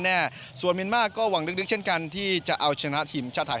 แน่ส่วนเมียนมาร์ก็หวังลึกเช่นกันที่จะเอาชนะทีมชาติไทย